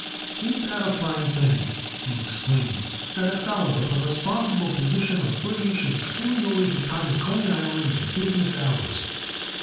"Ain't that a fine thing," he exclaimed, "that a feller with a responsible position like Brady should be fooling away his time at Coney Island in business hours."